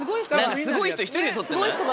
すごい人１人でとってない？